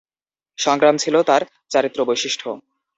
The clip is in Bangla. সংগ্রাম ছিল তাঁর চারিত্র্যবৈশিষ্ট্য।